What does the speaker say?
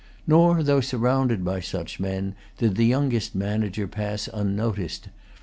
Nor, though surrounded by such men, did the youngest manager pass unnoticed.